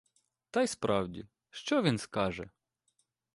Та й справді — що він скаже?